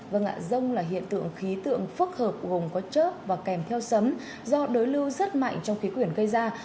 vâng ạ rông là hiện tượng khí tượng phức hợp gồm có chớp và kèm theo sấm do đối lưu rất mạnh trong khí quyển gây ra